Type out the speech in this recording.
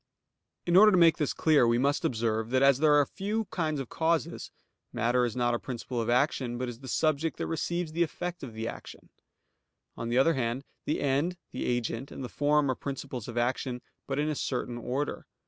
In order to make this clear, we must observe that as there are few kinds of causes; matter is not a principle of action, but is the subject that receives the effect of action. On the other hand, the end, the agent, and the form are principles of action, but in a certain order.